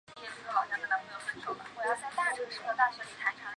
彼得一世奉行伊什特万一世的积极外交政策。